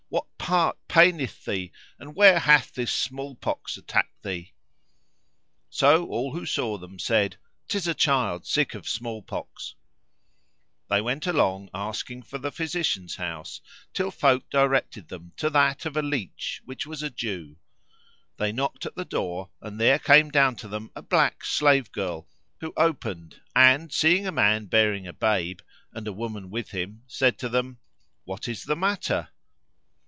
what part paineth thee and where hath this small pox[FN#497] attacked thee?" So all who saw them said "'Tis a child sick of small pox." [FN#498] They went along asking for the physician's house till folk directed them to that of a leach which was a Jew. They knocked at the door, and there came down to them a black slave girl who opened and, seeing a man bearing a babe, and a woman with him, said to them, "What is the matter?"